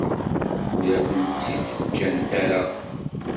Ur akent-tt-id-ǧǧant ara.